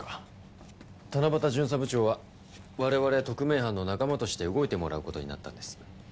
七夕巡査部長は我々特命班の仲間として動いてもらう事になったんです。